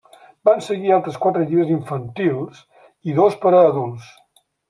Van seguir altres quatre llibres infantils i dos per a adults.